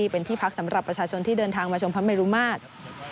เป็นที่พักสำหรับประชาชนที่เดินทางมาชมพระเมรุมาตร